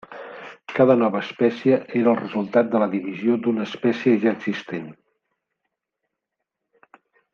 Cada nova espècie era el resultat de la divisió d'una espècie ja existent.